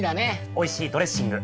おいしいドレッシング。